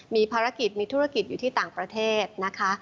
มีภารกิจมีธุรกิจอยู่ที่ต่างประเทศนะคะ